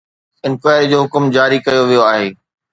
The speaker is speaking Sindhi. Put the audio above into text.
انڪوائري جو حڪم جاري ڪيو ويو آهي.